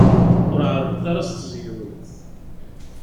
Ur εerreḍ ara ad s-tzeyydeḍ!